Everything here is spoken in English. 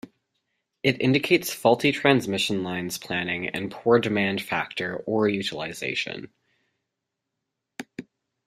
It indicates faulty transmission lines planning and poor demand factor or utilisation.